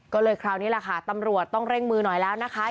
ก็เลยคราวนี้แหละค่ะตำรวจต้องเร่งมือหน่อยแล้วนะคะ